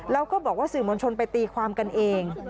แล้วก็บอกว่าสื่อมวลชนไปตีความกันเอง